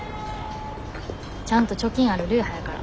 ちゃんと貯金ある流派やから。